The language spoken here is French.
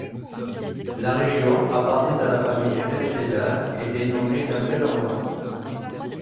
La région appartient à la famille Espedal et est nommée d'après leur nom.